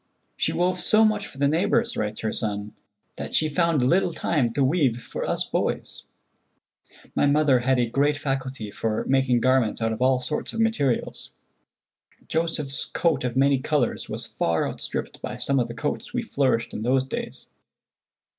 "She wove so much for the neighbors," writes her son, "that she found little time to weave for us boys. My mother had a great faculty for making garments out of all sorts of materials. Joseph's coat of many colors was far outstripped by some of the coats we flourished in those days."